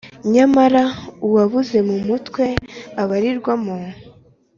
Nyamara uwabuze mu mutwe abarirwamo